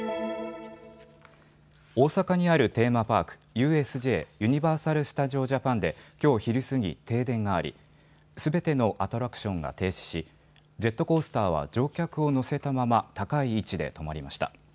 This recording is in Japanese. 大阪にあるテーマパークＵＳＪ・ユニバーサル・スタジオ・ジャパンできょう昼過ぎ停電があり、すべてのアトラクションが停止しジェットコースターは乗客を乗せたまま高い位置で止まりました。